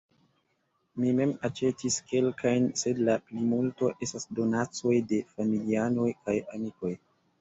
Mi mem aĉetis kelkajn, sed la plimulto estas donacoj de familianoj kaj amikoj.